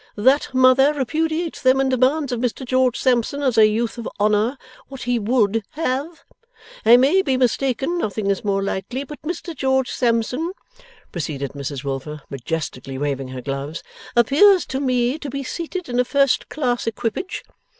That mother repudiates them, and demands of Mr George Sampson, as a youth of honour, what he WOULD have? I may be mistaken nothing is more likely but Mr George Sampson,' proceeded Mrs Wilfer, majestically waving her gloves, 'appears to me to be seated in a first class equipage.